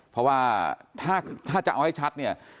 เพราะว่าถ้าจะเอาให้ชัดเนี่ย